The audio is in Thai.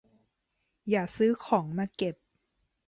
อย่าซื้อของมาเก็บ